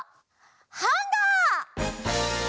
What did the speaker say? ハンガー！